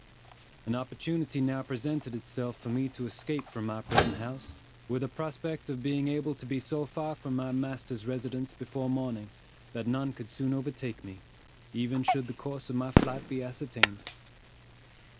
An opportunity now presented itself for me to escape from my prison house, with a prospect of being able to be so far from my master's residence before morning, that none could soon overtake me, even should the course of my flight be ascertained.